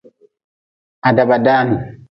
Ha daba daan.